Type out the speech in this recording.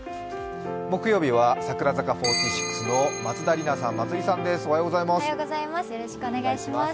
木曜日は櫻坂４６の松田里奈さん、まつりさんです。